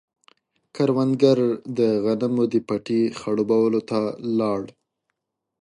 کروندګر د غنمو د پټي خړوبولو ته لاړ.